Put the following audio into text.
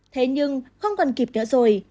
thế nhưng không còn kịp nữa rồi